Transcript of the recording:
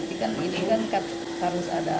ini kan harus ada